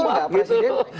betul gak presiden